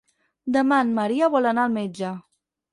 Demà en Maria vol anar al metge.